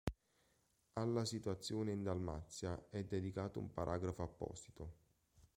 Alla situazione in Dalmazia è dedicato un paragrafo apposito.